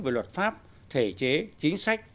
về luật pháp thể chế chính sách